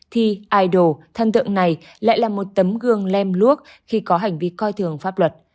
thì idol thần tượng này lại là một tấm gương lem luốc khi có hành vi coi thường pháp luật